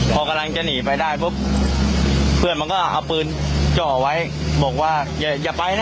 พอกำลังจะหนีไปได้ปุ๊บเพื่อนมันก็เอาปืนจ่อไว้บอกว่าอย่าไปนะ